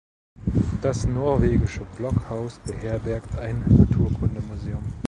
Das norwegische Blockhaus beherbergt ein Naturkundemuseum.